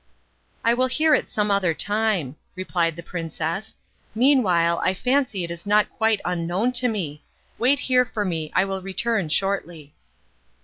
"I will hear it some other time," replied the princess. "Meanwhile I fancy it is not quite unknown to me. Wait here for me. I will return shortly."